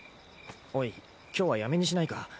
おい今日はやめにしないか？